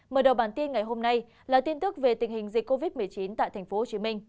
mở đầu bản tin ngày hôm nay là tin tức về tình hình dịch covid một mươi chín tại tp hcm